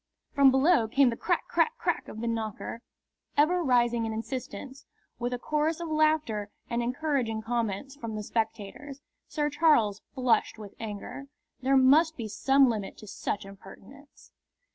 From below came the crack crack crack of the knocker, ever rising in insistence, with a chorus of laughter and encouraging comments from the spectators. Sir Charles flushed with anger. There must be some limit to such impertinence.